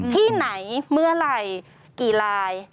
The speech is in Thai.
ที่ไหนเมื่อไหร่กี่ลาย